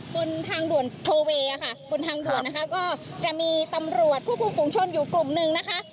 บนทางด่วนโทเวค่ะบนทางด่วนนะคะก็จะมีตำรวจควบคุมฝุงชนอยู่กลุ่มหนึ่งนะคะ